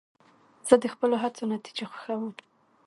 زه د خپلو هڅو نتیجه خوښوم.